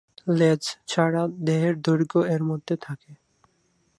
লেজ ছাড়া দেহের দৈর্ঘ্য এর মধ্যে থাকে।